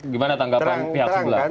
gimana tanggapan pihak sebelah